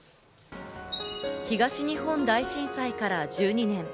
東日本大震災から１２年。